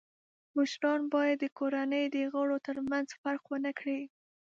مشران باید د کورنۍ د غړو تر منځ فرق و نه کړي.